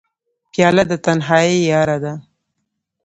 پیاله د تنهایۍ یاره ده.